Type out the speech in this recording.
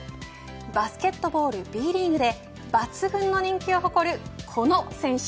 バスケットボールＢリーグで抜群の人気を誇るこの選手。